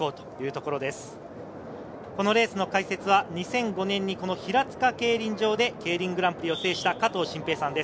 このレースの解説は２００５年にこの平塚競輪場でＫＥＩＲＩＮグランプリを制した加藤慎平さんです。